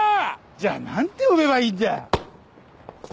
じゃあ何て呼べばいいんじゃ。